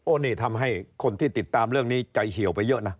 นี่ทำให้คนที่ติดตามเรื่องนี้ใจเหี่ยวไปเยอะนะ